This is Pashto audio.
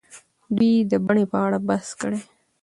دوی د بڼې په اړه بحث کړی.